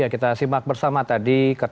kita simak bersama tadi keterangan pers ya